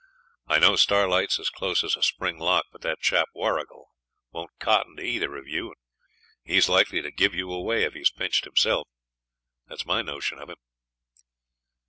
I know Starlight's as close as a spring lock; but that chap Warrigal don't cotton to either of you, and he's likely to give you away if he's pinched himself that's my notion of him.'